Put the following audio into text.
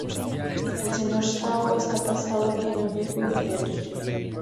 El Sr. Zhao está casado, tiene un hijo y dos nietos.